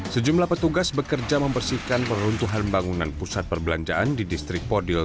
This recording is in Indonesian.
sejumlah petugas bekerja membersihkan peruntuhan bangunan pusat perbelanjaan di distrik podil